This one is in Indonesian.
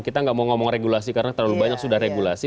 kita nggak mau ngomong regulasi karena terlalu banyak sudah regulasi